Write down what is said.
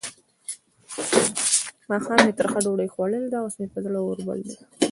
ماښام مې ترخه ډوډۍ خوړلې ده؛ اوس مې پر زړه اور بل دی.